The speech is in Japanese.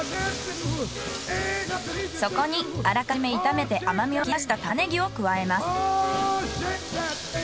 そこにあらかじめ炒めて甘みを引き出したタマネギを加えます。